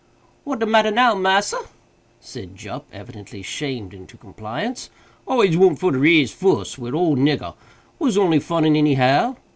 "What de matter now, massa?" said Jup, evidently shamed into compliance; "always want for to raise fuss wid old nigger. Was only funnin any how.